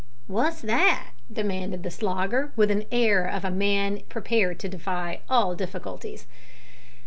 "Wot's that?" demanded the Slogger, with the air of a man prepared to defy all difficulties.